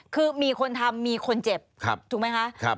คือมีคนทำมีคนเจ็บถูกไหมคะ